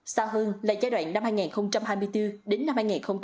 xa hơn là giai đoạn năm hai nghìn hai mươi bốn đến năm hai nghìn hai mươi năm